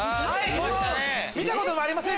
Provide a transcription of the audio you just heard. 見たことありません？